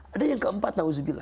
ada yang keempat